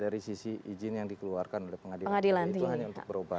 dari sisi izin yang dikeluarkan oleh pengadilan negeri itu hanya untuk berubah